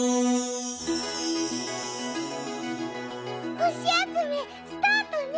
ほしあつめスタートね！